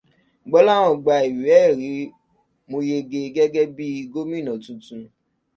Gbọ́láhàn gba ìwé-ẹ̀rí moyege gẹ́gẹ́ bí gómìnà tuntun.